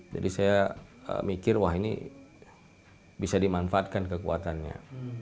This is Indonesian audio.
jadi saya mikir wah ini bisa dimanfaatkan kekuatannya